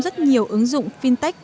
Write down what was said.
rất nhiều ứng dụng fintech